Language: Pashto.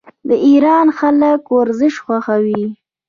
د ایران خلک ورزش خوښوي.